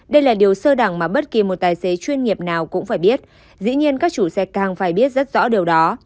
đây là điều sơ đẳng mà bất kỳ một tài xế chuyên nghiệp nào cũng phải biết dĩ nhiên các chủ xe càng phải biết rất rõ điều đó